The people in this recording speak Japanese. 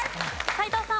斎藤さん。